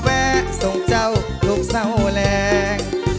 แวะส่งเจ้าทุกสาวแรง